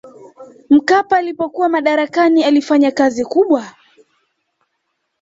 mkapa alipokuwa madarakani alifanya kazi kubwa